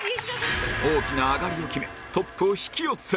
大きなアガリを決めトップを引き寄せる